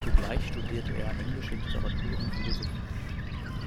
Zugleich studierte er englische Literatur und Philosophie.